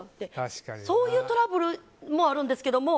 そういうトラブルもあるんですけども